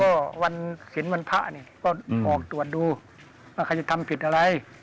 ก็วันศิลป์วันพระเนี่ยก็ออกตรวจดูว่าใครจะทำผิดอะไร